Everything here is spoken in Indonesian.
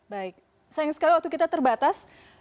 baik sayang sekali waktu kita terbatas